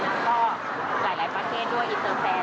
แล้วก็หลายประเทศด้วยอินเตอร์แฟ